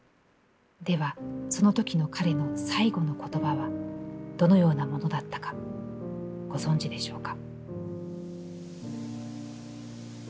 では、そのときの彼の『最期の言葉』はどのようなものだったか、ご存じでしょうか？」。